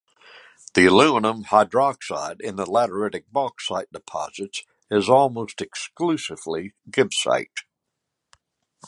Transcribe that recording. The aluminium hydroxide in the lateritic bauxite deposits is almost exclusively gibbsite.